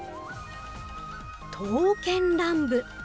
刀剣乱舞。